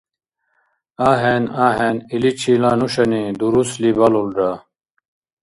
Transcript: АхӀен, ахӀен, иличила нушани дурусли балулра.